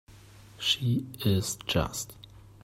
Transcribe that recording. She is just.